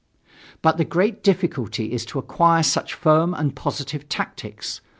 But the great difficulty is to acquire such firm and positive tactics.